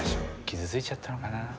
傷ついちゃったのかなあ。